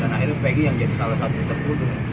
dan akhirnya peggy yang jadi salah satu terpuduk